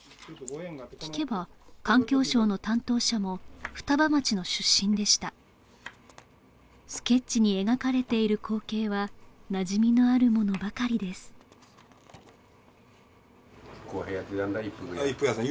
聞けば環境省の担当者も双葉町の出身でしたスケッチに描かれている光景はなじみのあるものばかりです一福屋一福屋さん